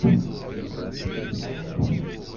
Yuba yella yeẓra aya.